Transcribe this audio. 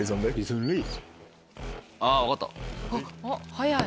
早い。